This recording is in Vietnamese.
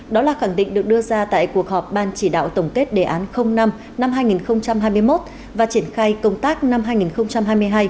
đó là khẳng định được đưa ra tại cuộc họp ban chỉ đạo tổng kết đề án năm năm hai nghìn hai mươi một và triển khai công tác năm hai nghìn hai mươi hai